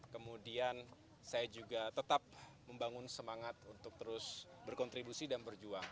kemudian saya juga tetap membangun semangat untuk terus berkontribusi dan berjuang